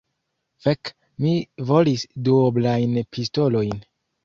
Fek! mi volis duoblajn pistolojn.